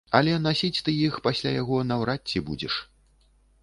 Але насіць ты іх пасля яго наўрад ці будзеш.